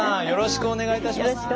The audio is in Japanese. よろしくお願いします。